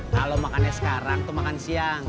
kalau makannya sekarang tuh makan siang